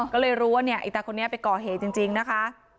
ก็เลยรู้ว่าเนี่ยไอ้ตาคนนี้ไปก่อเหตุจริงนะคะ